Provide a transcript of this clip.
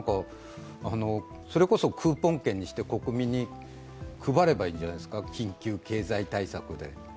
クーポン券にして国民に配ればいいんじゃないですか、緊急経済対策で。